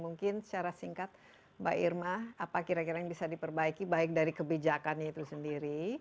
mungkin secara singkat mbak irma apa kira kira yang bisa diperbaiki baik dari kebijakan itu sendiri